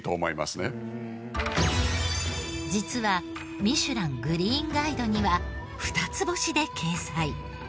実は『ミシュラン・グリーンガイド』には二つ星で掲載。